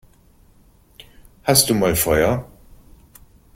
Hast du mal Feuer?